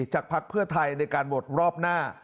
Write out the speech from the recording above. พักเพื่อไทยในการโหวตรอบหน้า